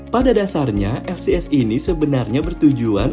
pada dasarnya fcs ini sebenarnya bertujuan